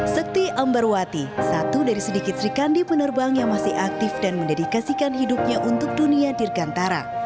sekti ambarwati satu dari sedikit sri kandi penerbang yang masih aktif dan mendedikasikan hidupnya untuk dunia dirgantara